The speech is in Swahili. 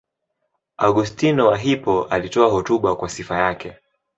Augustino wa Hippo alitoa hotuba kwa sifa yake.